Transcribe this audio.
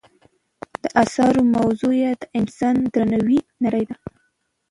د اثارو موضوع یې د انسان دروني نړۍ ده.